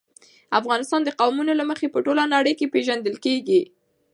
افغانستان د قومونه له مخې په ټوله نړۍ کې پېژندل کېږي.